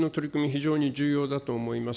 非常に重要だと思います。